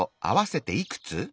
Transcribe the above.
あわせていくつ？